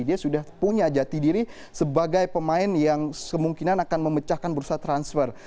dia sudah punya jati diri sebagai pemain yang kemungkinan akan memecahkan bursa transfer